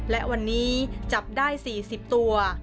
และวันนี้จับได้๔๐ตัว